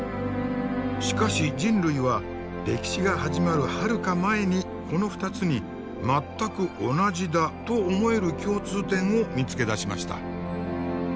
しかし人類は歴史が始まるはるか前にこの２つに全く同じだと思える共通点を見つけ出しました。